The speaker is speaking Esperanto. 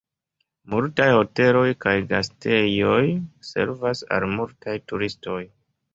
Multaj hoteloj kaj gastejoj servas al multaj turistoj.